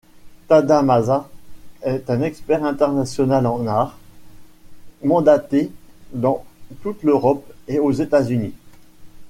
Tadamasa est un expert international en art, mandaté dans toute l’Europe et aux États-Unis.